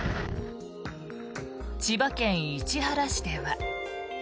千葉県市原市では。